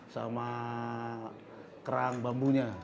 sama kerang bambunya